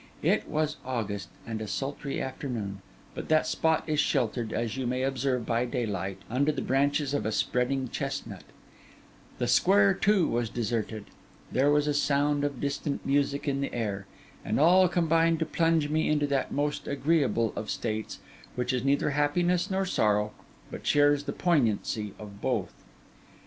It was August, and a sultry afternoon, but that spot is sheltered, as you may observe by daylight, under the branches of a spreading chestnut; the square, too, was deserted; there was a sound of distant music in the air; and all combined to plunge me into that most agreeable of states, which is neither happiness nor sorrow, but shares the poignancy of both.